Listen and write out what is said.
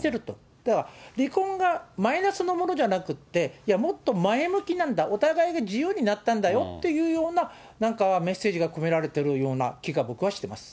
だから、離婚がマイナスのものじゃなくて、いや、もっと前向きなんだ、お互いが自由になったんだよっていうような、なんかメッセージが込められているような気が、僕はしています。